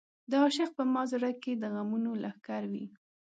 د عاشق په مات زړه کې د غمونو لښکر وي.